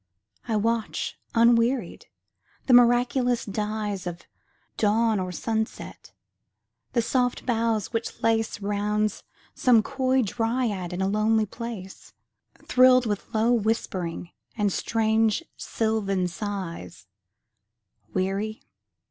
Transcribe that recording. I watch, unwearied, the miraculous dyesOf dawn or sunset; the soft boughs which laceRound some coy dryad in a lonely place, Thrilled with low whispering and strange sylvan sighs:Weary?